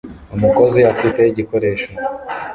Umukozi afite igikoresho